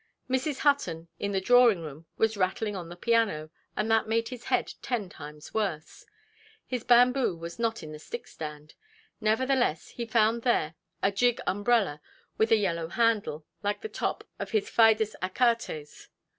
Mrs. Hutton, in the drawing–room, was rattling on the piano, and that made his head ten times worse. His bamboo was not in the stick–stand; nevertheless he found there a gig–umbrella with a yellow handle, like the top of his fidus Achates.